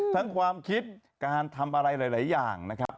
ความคิดการทำอะไรหลายอย่างนะครับ